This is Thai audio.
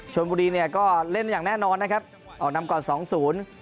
ชนบุรีเนี่ยก็เล่นอย่างแน่นอนนะครับออกนำก่อนสองศูนย์